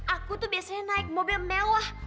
aku tuh biasanya naik mobil mewah